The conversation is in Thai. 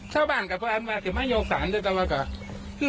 ชาวบ้านก็เพราะว่าถึงมาเยากสารแต่ว่าก็